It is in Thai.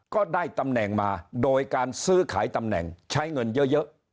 ก็ได้ตำแหน่งมาโดยการซื้อขายตำแหน่งใช้เงินเยอะ